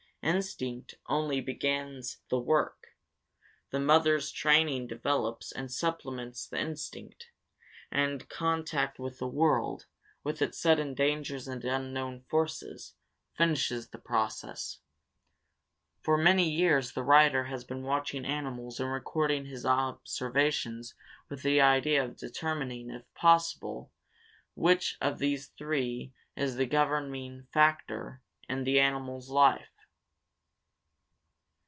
Instinct only begins the work; the mother's training develops and supplements the instinct; and contact with the world, with its sudden dangers and unknown forces, finishes the process. For many years the writer has been watching animals and recording his observations with the idea of determining, if possible, which of these three is the governing factor in the animal's life.